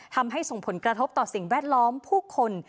ส่งผลกระทบต่อสิ่งแวดล้อมผู้คน